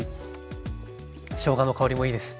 しょうがの香りもいいです。